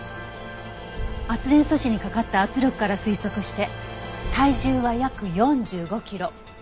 圧電素子にかかった圧力から推測して体重は約４５キロ。